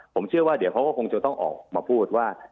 ผมเชื่อว่าเดี๋ยวเขาก็คงจะต้องออกมาพูดว่า